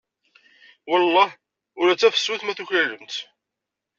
Welleh ula d tafsut ma tuklalem-tt.